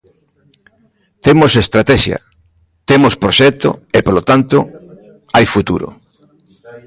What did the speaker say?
Temos estratexia, temos proxecto e, polo tanto, hai futuro.